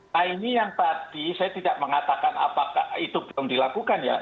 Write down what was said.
nah ini yang tadi saya tidak mengatakan apakah itu belum dilakukan ya